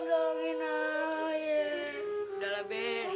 udah lah be